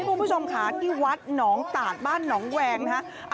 คุณผู้ชมค่ะที่วัดหนองตาดบ้านหนองแวงนะฮะ